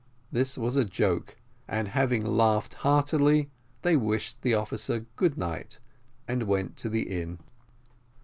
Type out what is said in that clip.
This was a joke; and having laughed heartily, they wished the officer good night, and went to the inn.